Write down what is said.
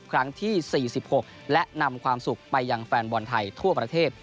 ครั้งที่๔๖และนำความสุขไปยังแฟนบอลไทยทั่วประเทศ